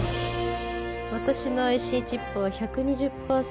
私のＩＣチップは１２０％